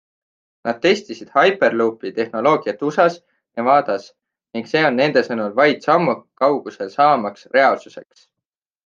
Nad testisid Hyperloopi tehnoloogiat USAs, Nevadas ning see on nende sõnul vaid sammu kaugusel saamaks reaalsuseks.